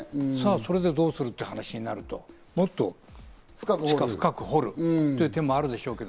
じゃあどうするとなると、もっと地下深く掘るという手もあるでしょうけど。